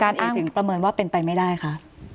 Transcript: ทำไมคนเอกจึงประเมินว่าเป็นไปไม่ได้ค่ะ